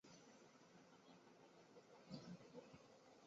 而多切斯特和罗克斯伯里则随着诺福克县成立。